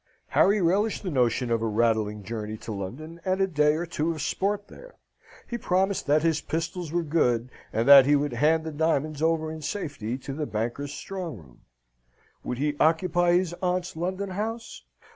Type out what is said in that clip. Harry relished the notion of a rattling journey to London, and a day or two of sport there. He promised that his pistols were good, and that he would hand the diamonds over in safety to the banker's strong room. Would he occupy his aunt's London house?